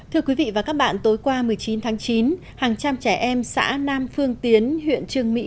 thưa quý vị và các bạn tối qua một mươi chín tháng chín hàng trăm trẻ em xã nam phương tiến huyện trương mỹ